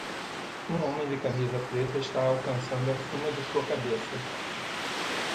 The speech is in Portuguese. Um homem de camisa preta está alcançando acima de sua cabeça.